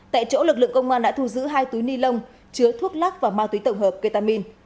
tại chỗ lực lượng công an đã thu giữ hai túi ni lông chứa thuốc lắc và ma túy tổng hợp ketamin